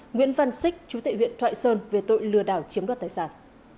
nguyễn văn sích chủ tịch huyện thoại sơn về tội lừa đảo chiếm đoạt tài sản